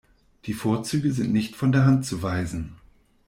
Die Vorzüge sind nicht von der Hand zu weisen.